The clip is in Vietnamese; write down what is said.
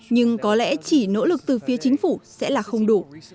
nhưng có lẽ chỉ nỗ lực từ phía chính phủ sẽ là không đủ